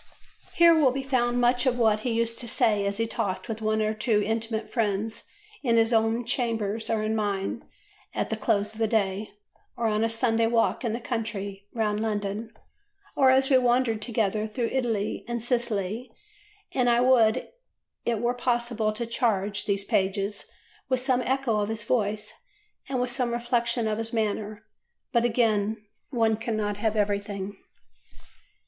'" Here will be found much of what he used to say as he talked with one or two intimate friends in his own chambers or in mine at the close of the day, or on a Sunday walk in the country round London, or as we wandered together through Italy and Sicily; and I would it were possible to charge these pages with some echo of his voice and with some reflection of his manner. But, again; one cannot have everything.